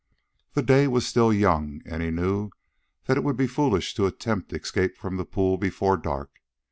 The day was still young, and he knew that it would be foolish to attempt escape from the pool before dark.